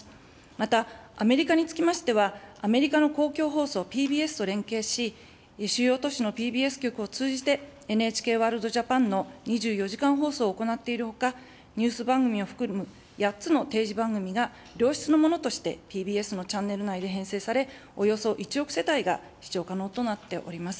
また、アメリカにつきましては、アメリカの公共放送ＰＢＳと連携し、主要都市のＰＢＳ局を通じて、ＮＨＫワールドＪＡＰＡＮの２４時間放送を行っているほか、ニュース番組を含む８つの定時番組が良質のものとしてＰＢＳのチャンネル内で編成され、およそ１億世帯が視聴可能となっております。